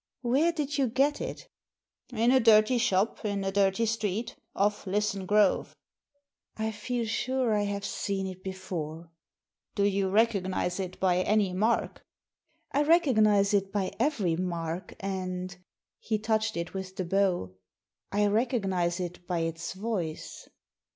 " Where did you get it ?"" In a dirty shop, in a dirty street, off Lisson Grove." Digitized by VjOOQIC THE VIOLIN 95 ^l feel sure I have seen it before." " Do you recognise it by any mark ?*'" I recognise it by every mark, and "— he touched it with the bow —" I recognise it by its voice."